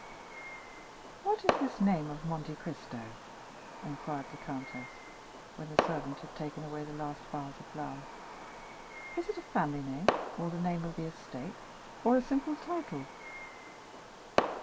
"What is this name of Monte Cristo?" inquired the countess, when the servant had taken away the last vase of flowers, "is it a family name, or the name of the estate, or a simple title?"